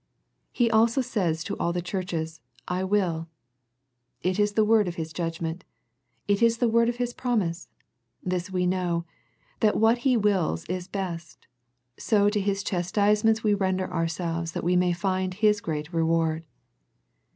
He also says to all the churches, " I will." It is the word of His judgment. It is the word of His promise. This we know, that what He wills is best, so to His chastisements we render ourselves that we may find His great reward.